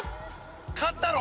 勝ったろ？